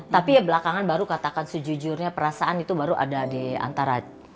tapi ya belakangan baru katakan sejujurnya perasaan itu baru ada di antara